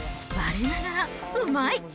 われながらうまい。